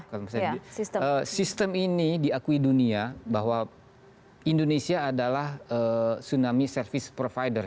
kalau misalnya sistem ini diakui dunia bahwa indonesia adalah tsunami service provider